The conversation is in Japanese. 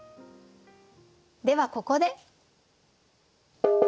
ではここで。